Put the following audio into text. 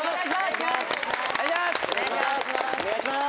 お願いします。